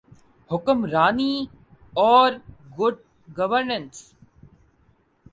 حکمرانی اورگڈ گورننس۔